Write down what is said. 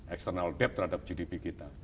external dep terhadap gdp kita